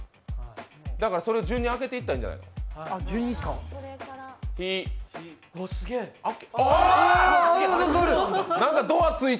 だからそれを順に開けていったらいいんじゃない？